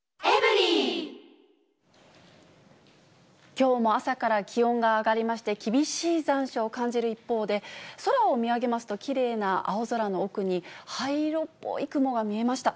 きょうも朝から気温が上がりまして、厳しい残暑を感じる一方で、空を見上げますと、きれいな青空の奥に、灰色っぽい雲が見えました。